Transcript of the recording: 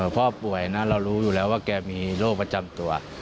พ่อป่วยนะเรารู้อยู่แล้วว่าแกมีโรคประจำตัว